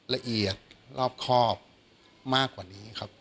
ละเอียดรอบครอบมากกว่านี้ครับ